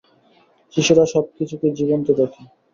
শিশুরা সব কিছুকেই জীবন্ত দেখে।